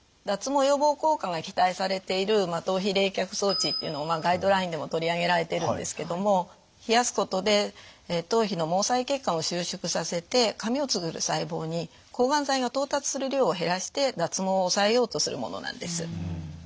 脱毛予防効果が期待されている頭皮冷却装置っていうのをガイドラインでも取り上げられているんですけども冷やすことで頭皮の毛細血管を収縮させて髪をつくる細胞に抗がん剤が到達する量を減らして脱毛を抑えようとするものなんです。